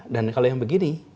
dan kalau yang begini